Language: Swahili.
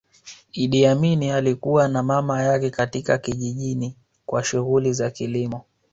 Idi Amin alikua na mama yake katika kijijini kwa shughuli za kilimo